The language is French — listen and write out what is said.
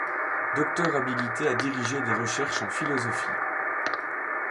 Docteur habilité à diriger des recherches en philosophie.